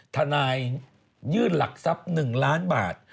ทนายยื่นหลักทรัพย์๑ล้านบาท